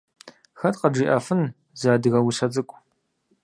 Хэт къыджиӏэфын зы адыгэ усэ цӏыкӏу?